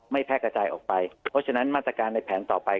แพร่กระจายออกไปเพราะฉะนั้นมาตรการในแผนต่อไป